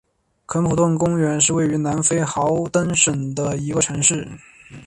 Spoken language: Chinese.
肯普顿公园是位于南非豪登省的一个城市。